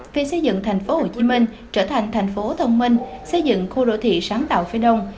việc xây dựng tp hcm trở thành thành phố thông minh xây dựng khu đô thị sáng tạo phía đông